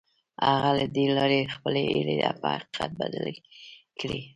هغه له دې لارې خپلې هيلې په حقيقت بدلې کړې.